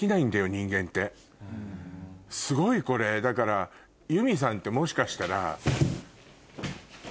すごいこれだから祐美さんってもしかしたら。